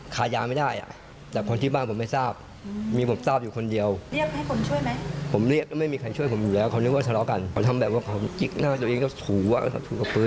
เขาทำแบบว่าเขาจิ๊กหน้าตัวเองก็ถูกกับปืน